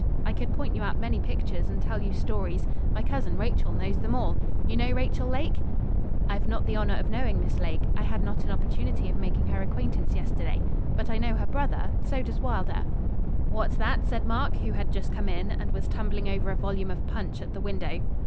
I could point you out many pictures, and tell you stories my cousin, Rachel, knows them all. You know Rachel Lake?' 'I've not the honour of knowing Miss Lake. I had not an opportunity of making her acquaintance yesterday; but I know her brother so does Wylder.' 'What's that?' said Mark, who had just come in, and was tumbling over a volume of 'Punch' at the window.